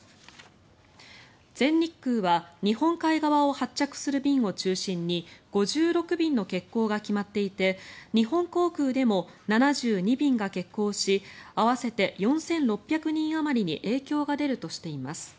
全日空は日本海側を発着する便を中心に５６便の欠航が決まっていて日本航空でも７２便が欠航し合わせて４６００人あまりに影響が出るとしています。